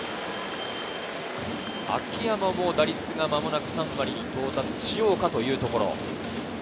秋山も打率が間もなく３割に到達しようかというところ。